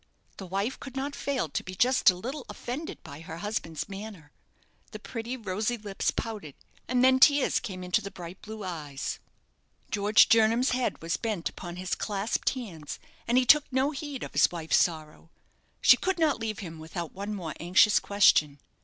The wife could not fail to be just a little offended by her husband's manner. The pretty rosy lips pouted, and then tears came into the bright blue eyes. George Jernam's head was bent upon his clasped hands, and he took no heed of his wife's sorrow. She could not leave him without one more anxious question.